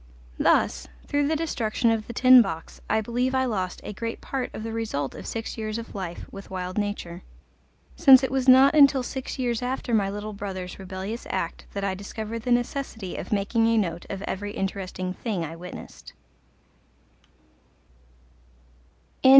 Thus, through the destruction of the Tin Box, I believe I lost a great part of the result of six years of life with wild nature, since it was not until six years after my little brother's rebellious act that I discovered the necessity of making a note of every interesting thing I witnessed.